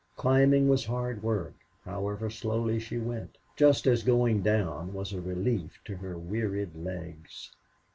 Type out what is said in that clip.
Climbing was hard work, however slowly she went, just as going down was a relief to her wearied legs.